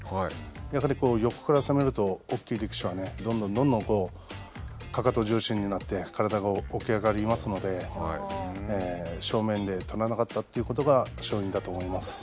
やはり横から攻めると、大きい力士はどんどんかかと重心になって体が起き上がりますので正面で取れなかったということが勝因だと思います。